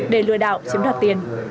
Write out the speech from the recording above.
để lừa đảo chiếm đoạt tiền